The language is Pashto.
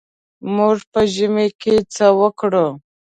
موږ په ژمي کې څه وکړو.